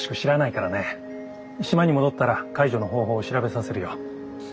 島に戻ったら解除の方法を調べさせるよ。